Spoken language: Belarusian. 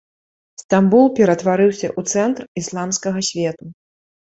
Стамбул ператварыўся ў цэнтр ісламскага свету.